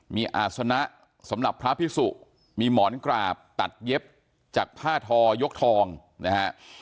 มีอาศนะสำหรับพระพิสุมีหมอนกราบตัดเย็บจากผ้าทอยกทองนะฮะ